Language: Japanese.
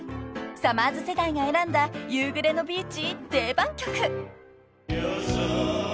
［さまぁず世代が選んだ夕暮れのビーチ定番曲］